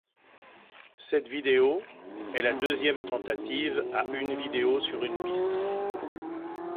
Cette vidéo est la deuxième tentative à une vidéo sur une piste.